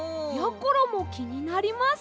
ころもきになります。